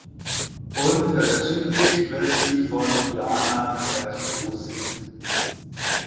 Unverzüglich wird sie von Diana verstoßen.